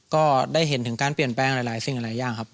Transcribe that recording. ก็ได้เห็นถึงการเปลี่ยนแปลงหลายสิ่งหลายอย่างครับ